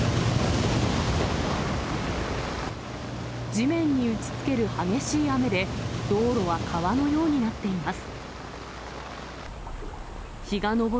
地面に打ちつける激しい雨で、道路は川のようになっています。